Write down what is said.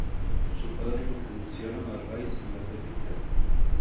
Sus padres influenciaron a Rice en la fe cristiana.